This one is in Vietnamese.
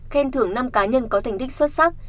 khen thưởng năm cá nhân có thành tích xuất sắc